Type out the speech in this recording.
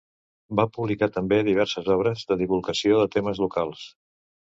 Va publicar també diverses obres de divulgació de temes locals.